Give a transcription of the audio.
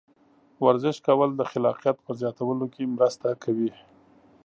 ورزش کول د خلاقیت په زیاتولو کې مرسته کوي.